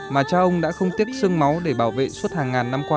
mà cha ông đã không tiếc sương máu để bảo vệ suốt hàng ngàn năm qua